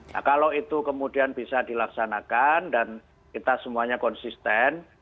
nah kalau itu kemudian bisa dilaksanakan dan kita semuanya konsisten